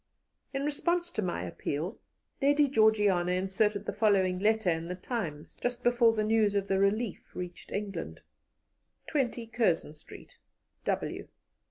In response to my appeal, Lady Georgiana inserted the following letter in the Times just before the news of the Relief reached England: "20, CURZON STREET, W.